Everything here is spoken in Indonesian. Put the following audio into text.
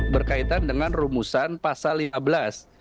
berkaitan dengan rumusan pasal lima belas